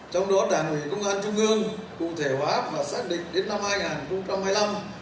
trong đó đảng ủy công an trung ương cụ thể hóa và xác định đến năm hai nghìn hai mươi năm